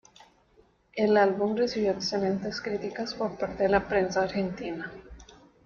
El álbum recibió excelentes críticas por parte de la prensa argentina.